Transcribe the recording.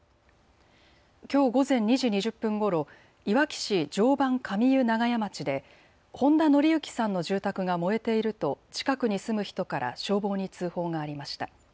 きょう午前２時２０分ごろいわき市常磐上湯長谷町で本田則行さんの住宅が燃えていると近くに住む人から消防に通報がありました。